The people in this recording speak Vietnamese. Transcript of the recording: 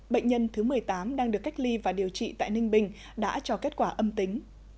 bệnh nhân thứ một mươi tám đang được cách ly và điều trị tại ninh bình đã cho kết quả âm tính